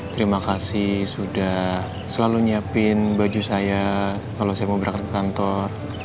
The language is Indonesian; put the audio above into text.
terima kasih sudah selalu nyiapin baju saya kalau saya mau berangkat ke kantor